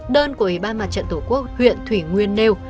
đơn của ủy ban mặt trận tổ quốc huyện thủy nguyên nêu